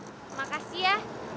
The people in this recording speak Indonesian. terima kasih ya